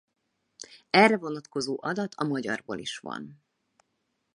Erre vonatkozó adat a magyarból is van.